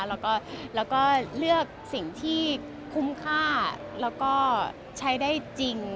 แล้วก็เลือกสิ่งที่คุ้มค่าแล้วก็ใช้ได้จริง